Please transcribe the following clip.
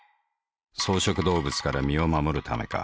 草食動物から身を護るためか。